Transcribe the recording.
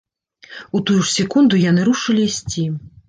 У тую ж секунду яны рушылі ісці.